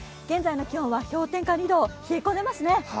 現在の気温は氷点下２度冷え込んでいますね。